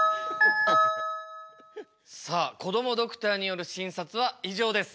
さあこどもドクターによる診察は以上です。